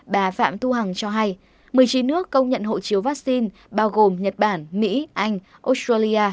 bà phạm thu hằng cho hay một mươi chín nước công nhận hộ chiếu vaccine bao gồm nhật bản mỹ anh australia